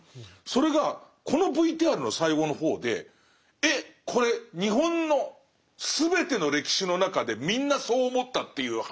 それがこのＶＴＲの最後の方でえっこれ日本の全ての歴史の中でみんなそう思ったっていう話？という。